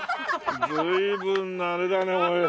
随分なあれだねおい。